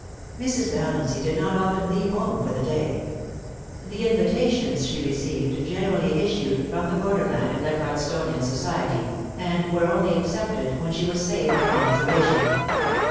Mrs. Vallancy did not often leave home for the day. The invitations she received generally issued from the borderland of Leichardtstonian society, and were only accepted when she was safe from observation.